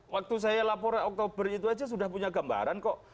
waktu saya laporan oktober itu aja sudah punya gambaran kok